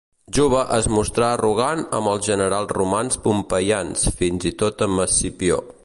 Juba es mostrà arrogant amb els generals romans pompeians, fins i tot amb Escipió.